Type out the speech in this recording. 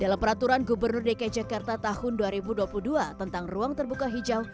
dalam peraturan gubernur dki jakarta tahun dua ribu dua puluh dua tentang ruang terbuka hijau